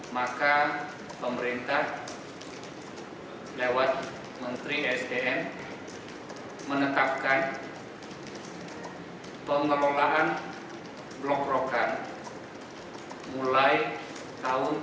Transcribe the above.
maka pemerintah lewat menteri sdm menetapkan pengelolaan blok rokan mulai tahun dua ribu dua puluh